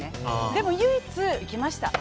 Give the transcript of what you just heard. でも唯一行きました。